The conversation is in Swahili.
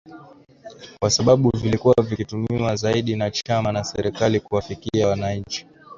kwa sababu vilikuwa vikitumiwa zaidi na chama na serikali kuwafikia wananchi